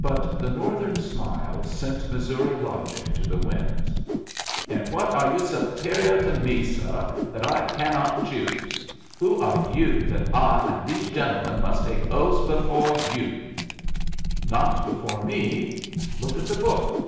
But the Northern smile sent Missouri logic to the winds. "In what are you superior to me, suh, that I cannot choose? Who are you that I and these gentlemen must take oaths befo' you?" "Not before me. Look at the book."